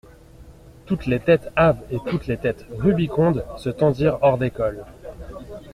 Toutes les têtes hâves et toutes les têtes rubicondes se tendirent hors des cols.